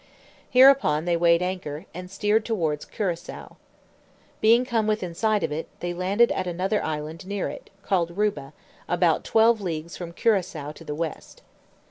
Hereupon they weighed anchor, and steered towards Curasao. Being come within sight of it, they landed at another island near it, called Ruba, about twelve leagues from Curasao to the west.